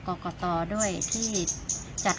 สวัสดีครับ